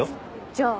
じゃあ。